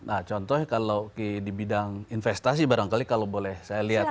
nah contohnya kalau di bidang investasi barangkali kalau boleh saya lihat